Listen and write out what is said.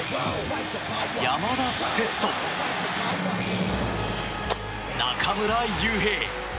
山田哲人中村悠平。